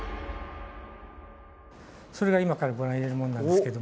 それが今からご覧に入れるものなんですけども。